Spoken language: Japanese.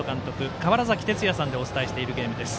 川原崎哲也さんでお伝えしているゲームです。